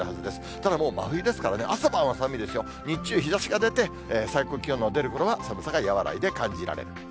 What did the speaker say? ただもう真冬ですから、朝晩は寒いですよ、日中、日ざしが出て、最高気温の出るころは寒さが和らいで感じられる。